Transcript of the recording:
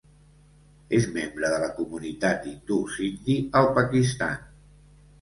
És membre de la comunitat hindú Sindhi al Pakistan.